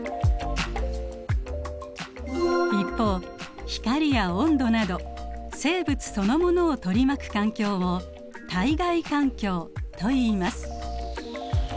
一方光や温度など生物そのものを取り巻く環境を体外環境といいます。